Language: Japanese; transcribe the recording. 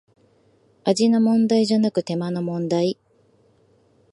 味の問題じゃなく手間の問題